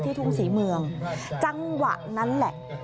ทุ่งศรีเมืองจังหวะนั้นแหละ